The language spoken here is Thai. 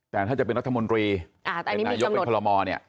แต่ถ้าจะเป็นรัฐมนตรีเป็นนายกเป็นพลมเนี่ย